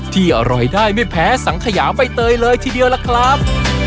ที่อร่อยได้ไม่แพ้สังขยาใบเตยเลยทีเดียวล่ะครับ